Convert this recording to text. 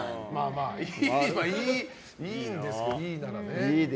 まあ、いいんですけどいいならね。